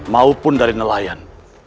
maupun dari nelayan